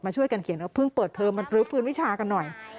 ช่วยกันเขียนว่าเพิ่งเปิดเทอมมารื้อฟื้นวิชากันหน่อย